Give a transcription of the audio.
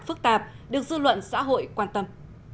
phức tạp được dư luận xã hội quan tâm